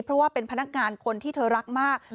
เพราะว่าเป็นพนักงานคนที่เธอรักมาก